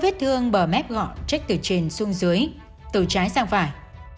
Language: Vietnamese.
vết thương bờ mép gọn chết từ trên xương dưới từ trái sang phải